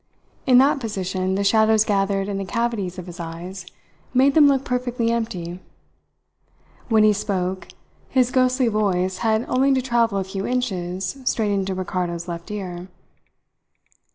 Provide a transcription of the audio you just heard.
In that position the shadows gathered in the cavities of his eyes made them look perfectly empty. When he spoke, his ghostly voice had only to travel a few inches straight into Ricardo's left ear.